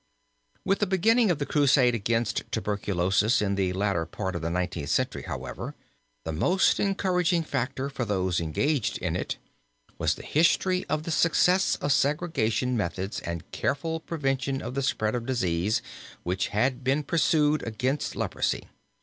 With the beginning of the crusade against tuberculosis in the latter part of the Nineteenth Century, however, the most encouraging factor for those engaged in it, was the history of the success of segregation methods and careful prevention of the spread of the disease which had been pursued against leprosy.